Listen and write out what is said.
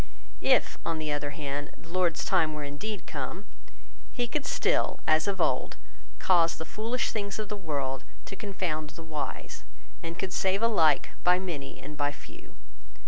If, on the other hand, the Lord's time were indeed come, he could still, as of old, cause the foolish things of the world to confound the wise, and could save alike by many and by few.